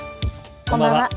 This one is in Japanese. こんばんは。